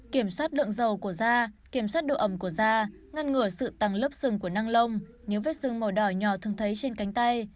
kiểm soát lượng dầu của da kiểm soát độ ẩm của da ngăn ngừa sự tăng lớp xương của năng lông những vết sưng màu đỏ nhỏ thường thấy trên cánh tay